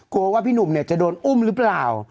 ว่าพี่หนุ่มเนี่ยจะโดนอุ้มหรือเปล่า